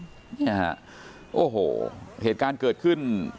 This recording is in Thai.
เนี่ยฮะโอ้โหเหตุการณ์เกิดขึ้น